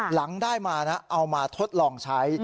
หลังได้มานะเอามาทดลองใช้